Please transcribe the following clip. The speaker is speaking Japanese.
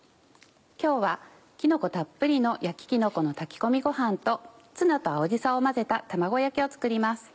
今日はきのこたっぷりの「焼ききのこの炊き込みごはん」とツナと青じそを混ぜた卵焼きを作ります。